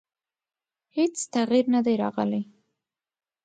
هېڅ تغیر نه دی راغلی.